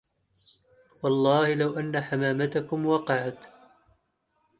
والله لو أن حماماتكم وقعت